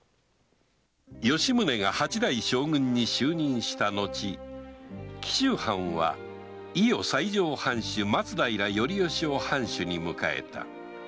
吉宗が八代将軍に就任したのち紀州藩は伊予西条藩主松平頼致を藩主に迎えた